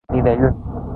Ni de lluny.